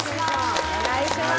お願いします